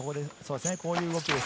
こういう動きです。